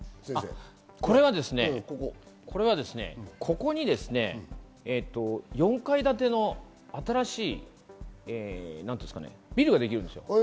これはここに、４階建ての新しいビルができるんです。